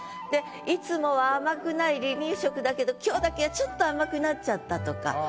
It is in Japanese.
いつもは甘くない離乳食だけど今日だけはちょっと甘くなっちゃったとか。